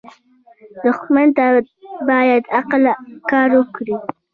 دښمن ته باید عقل کار وکړې